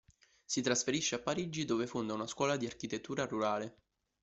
Si trasferisce a Parigi dove fonda una scuola di architettura rurale.